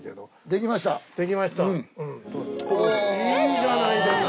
いいじゃないですか。